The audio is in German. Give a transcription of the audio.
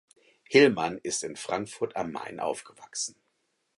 Hillmann ist in Frankfurt am Main aufgewachsen.